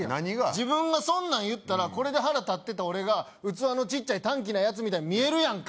自分がそんなん言ったらこれで腹立ってた俺が器のちっちゃい短気なやつみたいに見えるやんか！